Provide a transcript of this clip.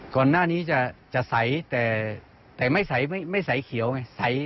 กรณะนี้จะใสแต่ไม่ไสเขียวไง